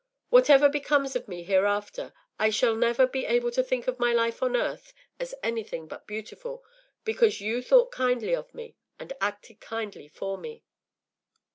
Whatever becomes of me hereafter, I shall never be able to think of my life on earth as anything but beautiful, because you thought kindly of me and acted kindly for me.